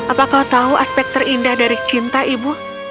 apa kau tahu aspek terindah dari cinta ibu